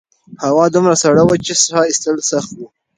هوا دومره سړه وه چې سا ایستل سخت وو.